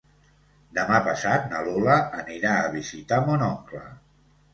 Demà passat na Lola anirà a visitar mon oncle.